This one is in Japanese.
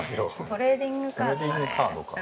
トレーディングカードか。